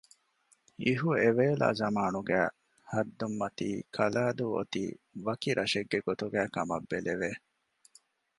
އިހު އެވޭލާ ޒަމާނުގައި ހައްދުންމަތީ ކަލައިދޫ އޮތީ ވަކި ރަށެއްގެ ގޮތުގައިކަމަށް ބެލެވެ